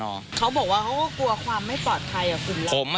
เขาบอกว่าเขาก็กลัวความไม่ปลอดภัยกับกลุ่มเรา